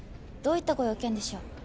どういったご用件でしょう？